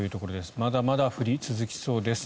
まだまだ降り続きそうです。